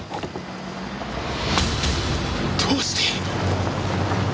どうして！？